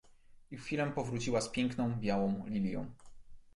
"I w chwilę powróciła z piękną, białą lilią."